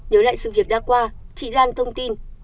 nhớ lại sự việc đa khoa chị lan thông tin